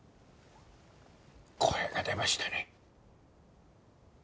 声が出ましたね。